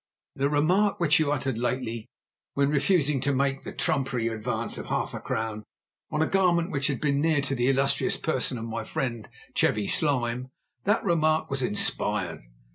The remark which you uttered lately, when refusing to make the trumpery advance of half a crown on a garment which had been near to the illustrious person of my friend Chevy Slime, that remark was inspired.